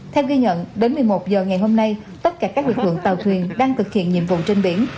theo ghi nhận đến một mươi một h ngày hôm nay tất cả các lực lượng tàu thuyền đang thực hiện nhiệm vụ trên biển